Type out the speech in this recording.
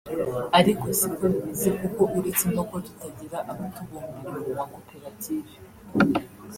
ariko siko bimeze kuko uretse no kuba tutagira abatubumbira mu makoperative